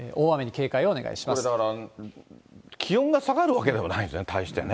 これだから、気温が下がるわけではないんですね、たいしてね。